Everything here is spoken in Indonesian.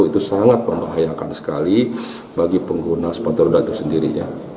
itu sangat membahayakan sekali bagi pengguna sepatu roda tersendiri